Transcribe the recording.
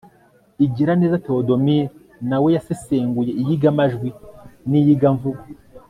igiraneza théodomir na we yasesenguye iyigamajwi n'iyigamvugo